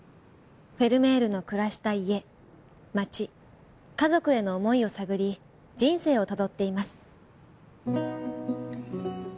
フェルメールの暮らした家町家族への思いを探り人生をたどっています。